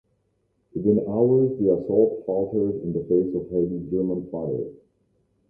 Within hours the assault faltered in the face of heavy German fire.